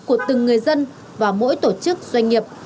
của từng người dân và mỗi tổ chức doanh nghiệp